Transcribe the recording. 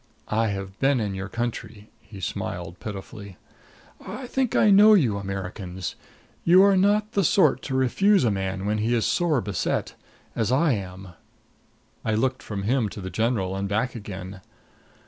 I have been in your country." He smiled pitifully. "I think I know you Americans. You are not the sort to refuse a man when he is sore beset as I am." I looked from him to the general and back again.